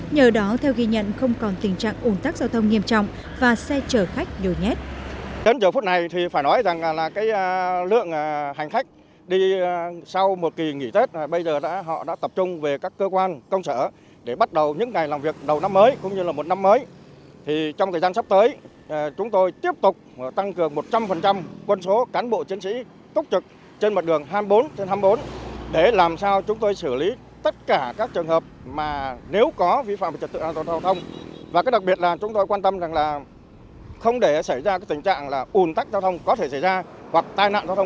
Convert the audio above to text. nhờ đó theo ghi nhận không còn tình trạng ưu tắc giao thông nghiêm trọng và xe chở khách đôi nhét